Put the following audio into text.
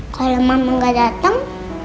kalau mama gak dateng